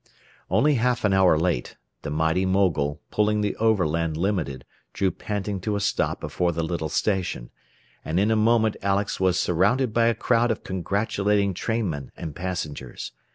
Only half an hour late, the mighty mogul pulling the Overland Limited drew panting to a stop before the little station, and in a moment Alex was surrounded by a crowd of congratulating trainmen and passengers.